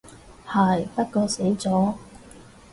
係，不過死咗